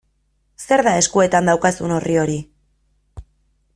Zer da eskuetan daukazun orri hori?